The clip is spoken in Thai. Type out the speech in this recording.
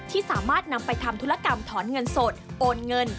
ที่สามารถนำไปทำธุรกรรมถอนเงินสดโอนเงิน